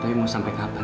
tapi mau sampai kapan